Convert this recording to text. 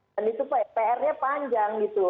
dan itu pr nya panjang gitu